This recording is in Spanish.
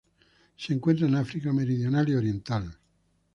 Se encuentran en África meridional y oriental.